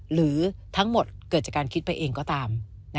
หรือทั้งหมดเกิดจากการคิดไปเองก็ตาม